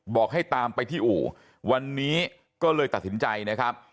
บอกให้ตามไปที่อู่วันนี้ก็เลยตัดสินใจนะครับ